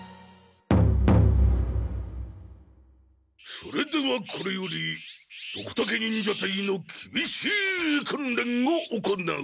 それではこれよりドクタケ忍者隊のきびしいくんれんを行う！